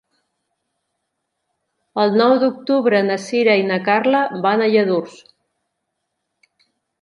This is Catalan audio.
El nou d'octubre na Sira i na Carla van a Lladurs.